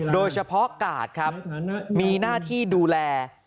โดยเฉพาะกาศครับมีหน้าที่ดูแล